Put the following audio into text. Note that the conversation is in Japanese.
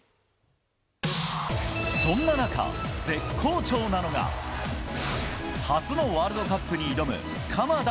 そんな中、絶好調なのが、初のワールドカップに挑む鎌田